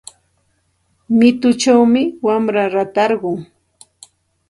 Mituchawmi wamra ratarqun.